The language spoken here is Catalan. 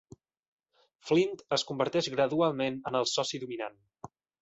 Flint es converteix gradualment en el soci dominant.